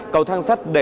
cầu thang sắt để lên